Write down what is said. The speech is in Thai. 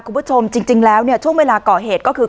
คุณผู้ชมจริงแล้วเนี่ยช่วงเวลาก่อเหตุก็คือ